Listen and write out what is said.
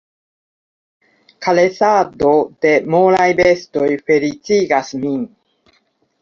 Karesado de molaj bestoj feliĉigas min.